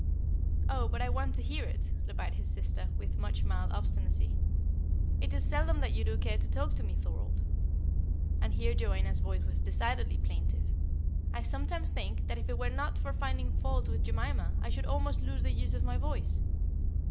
"Oh, but I want to hear it," replied his sister, with much mild obstinacy. "It is seldom that you do care to talk to me, Thorold;" and here Joanna's voice was decidedly plaintive. "I sometimes think that if it were not for finding fault with Jemima I should almost lose the use of my voice."